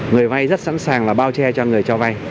người vay rất sẵn sàng là bao che cho người cho vay